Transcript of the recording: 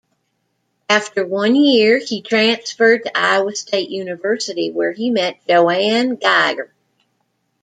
After one year, he transferred to Iowa State University where he met JoAnn Geiger.